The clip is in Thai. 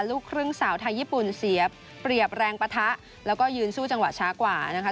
ลูกครึ่งสาวไทยญี่ปุ่นเสียเปรียบแรงปะทะแล้วก็ยืนสู้จังหวะช้ากว่านะคะ